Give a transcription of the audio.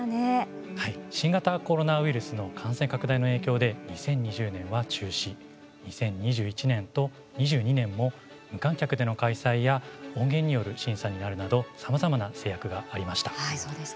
新型コロナウイルスの感染拡大の影響で２０２０年は中止２０２１年と２２年も無観客での開催や音源による審査になるなどはい、そうでしたね。